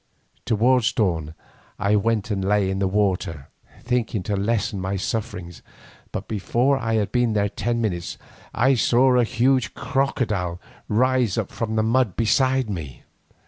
Towards dawn I went and lay in the water, thinking to lessen my sufferings, but before I had been there ten minutes I saw a huge crocodile rise up from the mud beside me.